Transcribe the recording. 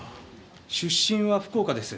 出身は福岡です。